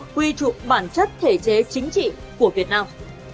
quy trụp bản chất thể chế chính trị của việt nam